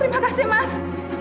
terima kasih mas